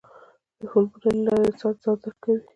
د فلمونو له لارې انسان ځان درکوي.